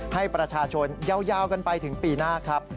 ให้ประชาชนยาวกันไปถึงปีหน้าครับ